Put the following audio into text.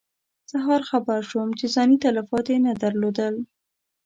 سهار خبر شوم چې ځاني تلفات یې نه درلودل.